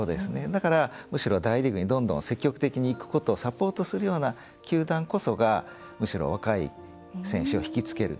だから、むしろ、大リーグにどんどん積極的に行くことをサポートするような球団こそがむしろ、若い選手を引き付ける。